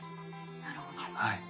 なるほど。